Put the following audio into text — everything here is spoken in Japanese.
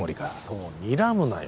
そうにらむなよ